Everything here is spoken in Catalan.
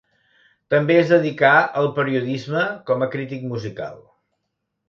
També es dedicà al periodisme com a crític musical.